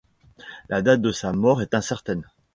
La date de sa mort est incertaine.